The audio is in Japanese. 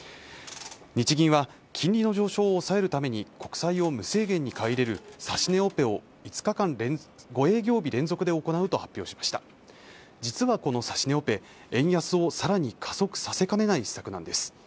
日銀は金利の上昇を抑えるために国債を無制限に買い入れる指し値オペを５営業日連続で行うと発表しました実はこの指し値オペ円安を更に加速させかねない施策なんです。